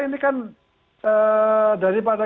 ini kan daripada